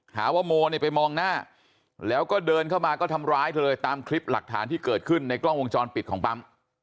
หาว่าโมเนี่ยไปมองหน้าแล้วก็เดินเข้ามาก็ทำร้ายเธอเลยตามคลิปหลักฐานที่เกิดขึ้นในกล้องวงจรปิดของปั๊ม